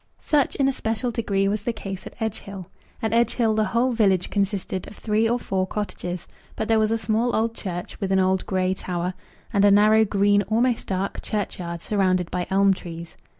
Such, in a special degree, was the case at Edgehill. At Edgehill the whole village consisted of three or four cottages; but there was a small old church, with an old grey tower, and a narrow, green, almost dark, churchyard, surrounded by elm trees.